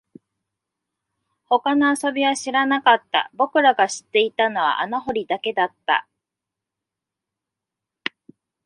他の遊びは知らなかった、僕らが知っていたのは穴掘りだけだった